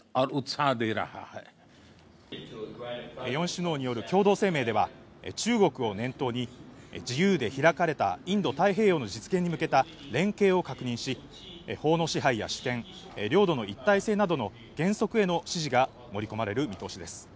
４首脳による共同声明では、中国を念頭に自由で開かれたインド太平洋の実現に向けた連携を確認し、法の支配や主権、領土の一体性などの原則への支持が盛り込まれる見通しです。